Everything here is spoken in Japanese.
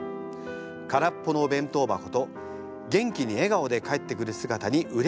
空っぽのお弁当箱と元気に笑顔で帰ってくる姿にうれしくなります。